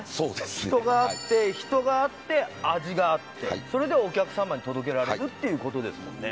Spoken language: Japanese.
人があって人があって味があってそれでお客様に届けられるっていうことですもんね